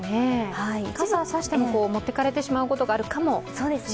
傘差しても持ってかれてしまうことがありそうですかね。